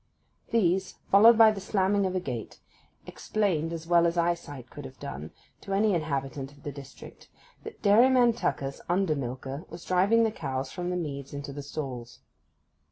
These, followed by the slamming of a gate, explained as well as eyesight could have done, to any inhabitant of the district, that Dairyman Tucker's under milker was driving the cows from the meads into the stalls.